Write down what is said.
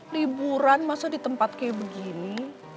liburan masa di tempat kayak begini